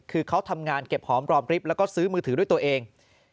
คือเขาทำงานเก็บหอมรอมริบแล้วก็ซื้อมือถือด้วยตัวเอง